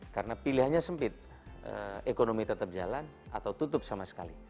karena pilihannya sempit ekonomi tetap jalan atau tutup sama sekali